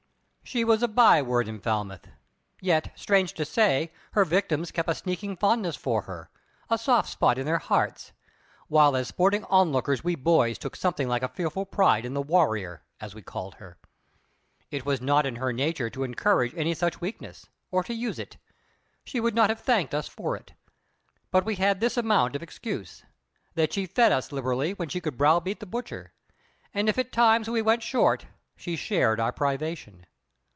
She was a byword in Falmouth; yet, strange to say, her victims kept a sneaking fondness for her, a soft spot In their hearts; while as sporting onlookers we boys took something like a fearful pride in the Warrior, as we called her. It was not in her nature to encourage any such weakness, or to use it. She would not have thanked us for it. But we had this amount of excuse: that she fed us liberally when she could browbeat the butcher; and if at times we went short, she shared our privation.